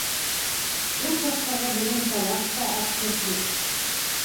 Ул саҡтағы беҙҙең талаш та абсурд бит.